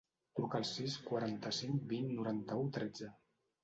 Truca al sis, quaranta-cinc, vint, noranta-u, tretze.